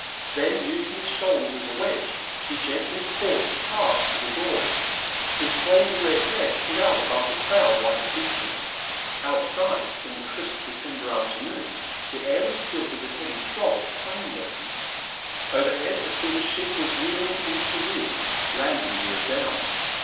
Then, using his shoulders as a wedge, he gently forced a path to the doors. His flaming red hair stood out above the crowd like a beacon. Outside, in the crisp December afternoon, the air was filled with the heavy throb of plane motors. Overhead, a silver ship was wheeling into the wind, landing gear down.